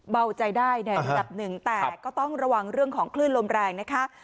เบาใจได้ในระดับหนึ่งแต่ก็ต้องระวังเรื่องของคลื่นลมแรงนะคะ